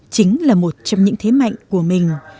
chính là một trong những thế mạnh của mình